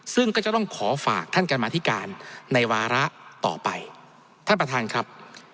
ซึ่งก็จะต้องขอฝากท่านกรรมธิการในวาระต่อไปท่านประธานครับ